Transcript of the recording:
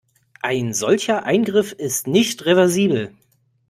Ein solcher Eingriff ist nicht reversibel.